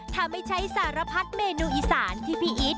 ทำให้ใช้สารพัดเมนูอีสานที่พี่อีท